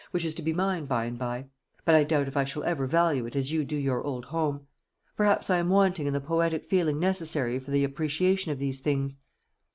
which is to be mine by and by; but I doubt if I shall ever value it as you do your old home. Perhaps I am wanting in the poetic feeling necessary for the appreciation of these things."